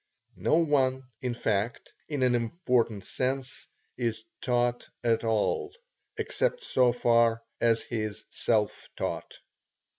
No one, in fact, in an important sense, is taught at all, except so far as he is self taught.